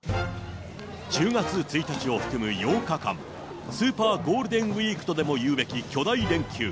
１０月１日を含む８日間、スーパーゴールデンウィークとでもいうべき巨大連休。